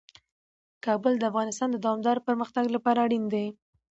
کابل د افغانستان د دوامداره پرمختګ لپاره اړین دي.